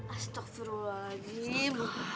ada yang ngejepel